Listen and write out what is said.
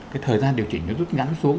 cái thời gian điều chỉnh nó rút ngắn xuống